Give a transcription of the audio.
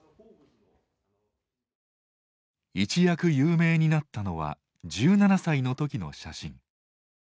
一躍有名になったのは１７歳の時の写真。